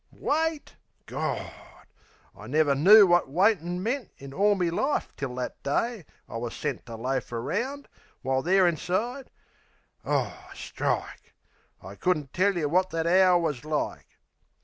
Wait?...Gawd!...I never knoo wot waitin' meant In all me life till that day I was sent To loaf around, while there inside Aw, strike! I couldn't tell yeh wot that hour was like!